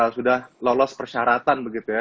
sudah lolos persyaratan begitu ya